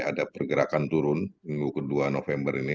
ada pergerakan turun minggu kedua november ini